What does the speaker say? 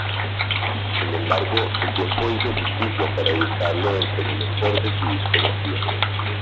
Sin embargo, el tiempo hizo justicia para ubicarlo entre lo mejor de su discografía.